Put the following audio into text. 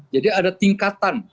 jadi ada tingkatan